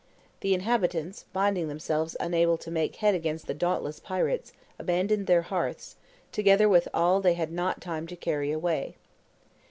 The inhabitants, finding themselves unable to make head against the dauntless pirates, abandoned their hearths, together with all they had not time to carry away.